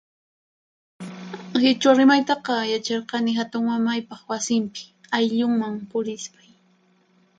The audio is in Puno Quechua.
Qhichwa rimaytaqa yacharqani hatunmamaypaq wasinpi, ayllunman purispay.